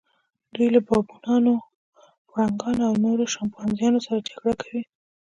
دوی له بابونانو، پړانګانو او نورو شامپانزیانو سره جګړه کوي.